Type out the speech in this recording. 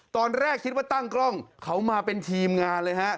ตอนแรกคิดว่าตั้งกล้องเขามาเป็นทีมงานเลยฮะ